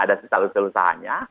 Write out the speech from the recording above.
ada sisa usahanya